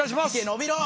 伸びろ！